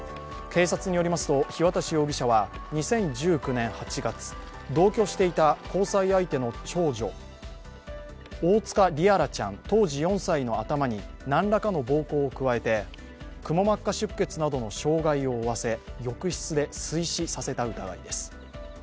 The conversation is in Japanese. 警察によりますと日渡容疑者は２０１９年８月、同居していた交際相手の長女、大塚璃愛來ちゃん当時４歳の頭に何らかの暴行を加えてくも膜下出血などの傷害を負わせ浴室で水死させた疑いです。